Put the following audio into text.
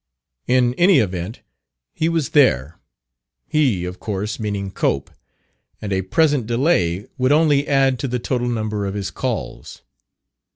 In any event, he was there ("he," of course, meaning Cope), and a present delay would only add to the total number of his calls.